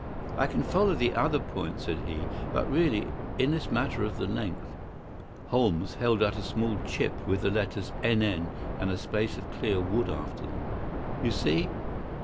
"I can follow the other points," said he, "but really, in this matter of the length——" Holmes held out a small chip with the letters NN and a space of clear wood after them. "You see?"